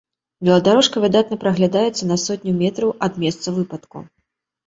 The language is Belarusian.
Веладарожка выдатна праглядаецца на сотню метраў ад месца выпадку.